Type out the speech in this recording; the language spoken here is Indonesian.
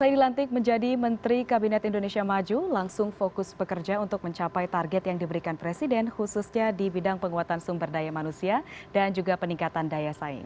setelah dilantik menjadi menteri kabinet indonesia maju langsung fokus bekerja untuk mencapai target yang diberikan presiden khususnya di bidang penguatan sumber daya manusia dan juga peningkatan daya saing